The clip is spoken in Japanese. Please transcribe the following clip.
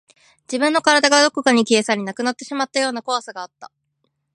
自分の体がどこかに消え去り、なくなってしまうような怖さがあった